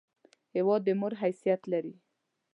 هېواد د مور حیثیت لري!